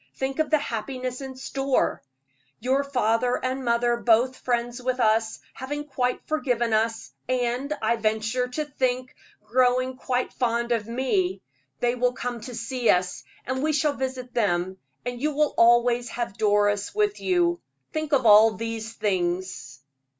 Think of the happiness in store! Your father and mother both friends with us, having quite forgiven us, and, I venture to think, growing quite fond of me; they will come to see us, and we shall visit them; and you will always have Doris with you. Think of all those things!"